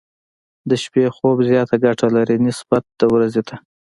د شپې خوب زياته ګټه لري، نسبت د ورځې ته.